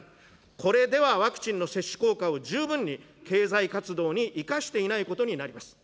これではワクチンの接種効果を十分に経済活動に生かしていないことになります。